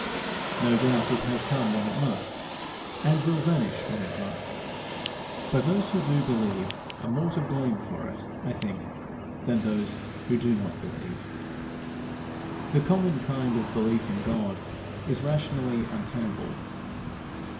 No doubt it has come when it must, and will vanish when it must; but those who do believe are more to blame for it, I think, than those who do not believe. The common kind of belief in God is rationally untenable.